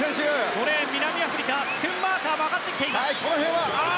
５レーン、南アフリカスクンマーカーも上がってきています。